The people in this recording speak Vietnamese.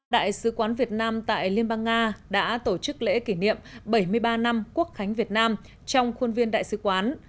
đại sứ quán việt nam tại liên bang nga đã tổ chức lễ kỷ niệm bảy mươi ba năm quốc khánh việt nam trong khuôn viên đại sứ quán